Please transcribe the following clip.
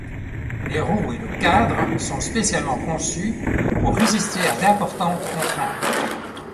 Les roues et le cadre sont spécialement conçus pour résister à d'importantes contraintes.